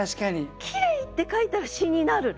「きれい」って書いたら詩になるの。